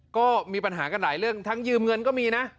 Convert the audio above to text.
ก็มีปัญหากันหลายเรื่องทั้งยืมเงินก็มีนะ